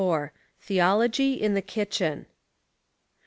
THEOLOGY IN THE KITCHEN.